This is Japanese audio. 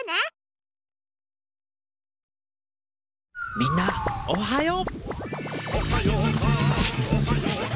みんなおはよう！